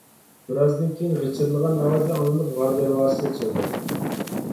بىرئازدىن كېيىن غىچىرلىغان ئاۋاز ئاڭلىنىپ، غار دەرۋازىسى ئېچىلدى.